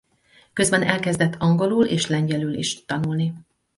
Közben elkezdett angolul és lengyelül is tanulni.